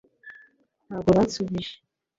ntabwo basubije